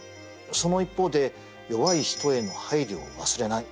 その一方で弱い人への配慮を忘れない。